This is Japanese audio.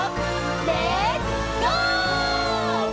「レッツ・ゴー！」